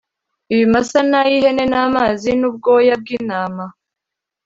ibimasa n ay ihene n amazi n ubwoya bw intama